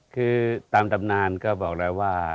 คือตามตำนานก็บอกแล้วว่า